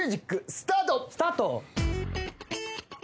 スタート！